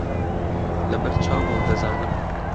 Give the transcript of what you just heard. لەبەر چاومە و دەزانم